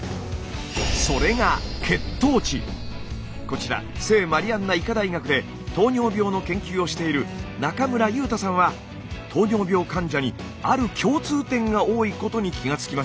それがこちら聖マリアンナ医科大学で糖尿病の研究をしている中村祐太さんは糖尿病患者にある共通点が多いことに気がつきました。